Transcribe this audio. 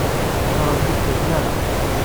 Ur aɣ-tent-id-ttaken ara?